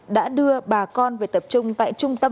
đã đưa bà con về tập trung tại trung tâm